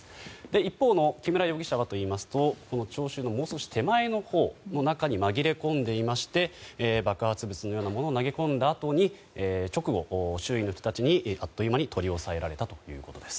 一方、木村容疑者はといいますと聴衆のもう少し手前の中に紛れ込んでいまして爆発物のようなものを投げ込んだ直後周囲の人たちにあっという間に取り押さえられたということです。